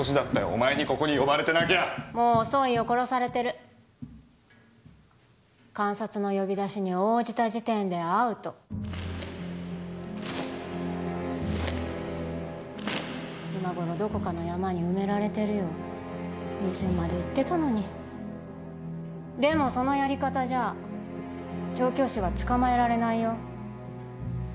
お前にここに呼ばれてなきゃもう遅いよ殺されてる監察の呼び出しに応じた時点でアウト今ごろどこかの山に埋められてるよいい線までいってたのにでもそのやり方じゃ調教師は捕まえられないよ